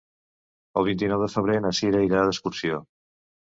El vint-i-nou de febrer na Sira irà d'excursió.